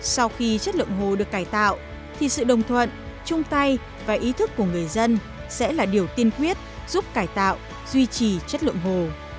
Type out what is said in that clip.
sau khi chất lượng hồ được cải tạo thì sự đồng thuận chung tay và ý thức của người dân sẽ là điều tiên quyết giúp cải tạo duy trì chất lượng hồ